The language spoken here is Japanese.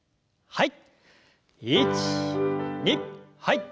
はい。